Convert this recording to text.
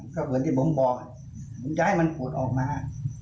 ก็เหมือนที่ผมบอกผมจะให้มันปลดออกมา